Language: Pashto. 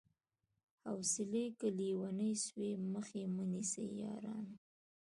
حوصلې که ليونۍ سوې مخ يې مه نيسئ يارانو